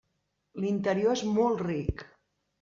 L'interior és molt ric.